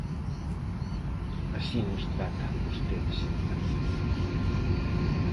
Así nos tratan vostedes en Madrid.